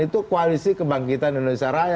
itu koalisi kebangkitan indonesia raya